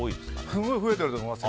すごい増えてると思います。